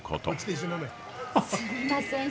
すみません